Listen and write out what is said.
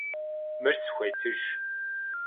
Мыр схуетыж!